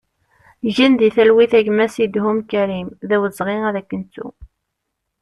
Gen di talwit a gma Sidhum Karim, d awezɣi ad k-nettu!